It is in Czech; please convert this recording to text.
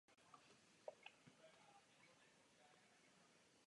Vítězové semifinále se utkaly ve finále.